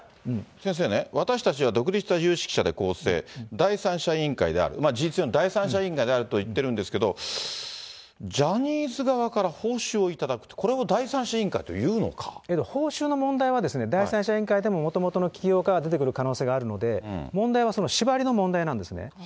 先生ね、私たちは独立した有識者で構成、第三者委員会である、事実上の第三者委員会であると言っているんですけど、ジャニーズ側から報酬を頂くと、報酬の問題は、第三者委員会でももともとの企業から出てくる可能性があるので、問題はそのしばりの問題なんですね。